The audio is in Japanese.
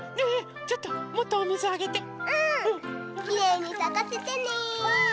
きれいにさかせてね。